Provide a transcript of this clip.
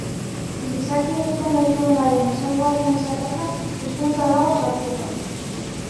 Gizaki egiten gaituenaren ezaugarrien zerrendan hizkuntza dago sartuta.